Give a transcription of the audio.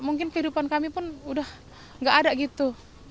mungkin kehidupan kami pun udah gak ada gitu